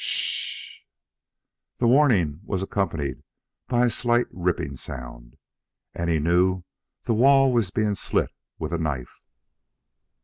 "S h h." The warning was accompanied by a slight ripping sound, and he knew the wall was being slit with a knife.